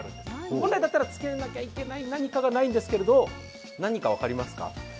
本来だったらつけなければないものがないんですが、何かがないんですけど、何か分かりますか？